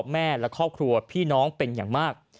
แม่และครอบครัวพี่น้องเป็นอย่างมาก